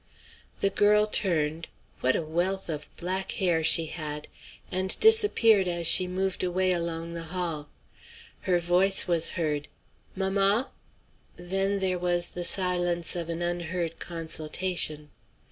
The girl turned what a wealth of black hair she had! and disappeared as she moved away along the hall. Her voice was heard: "Mamma?" Then there was the silence of an unheard consultation.